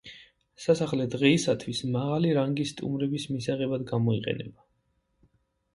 სასახლე დღეისათვის მაღალი რანგის სტუმრების მისაღებად გამოიყენება.